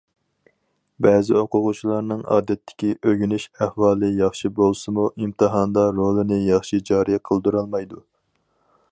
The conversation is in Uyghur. بەزى ئوقۇغۇچىلارنىڭ ئادەتتىكى ئۆگىنىش ئەھۋالى ياخشى بولسىمۇ ئىمتىھاندا رولىنى ياخشى جارى قىلدۇرالمايدۇ.